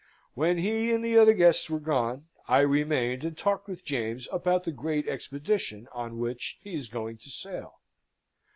When he and the other guests were gone, I remained and talked with James about the great expedition on which he is going to sail.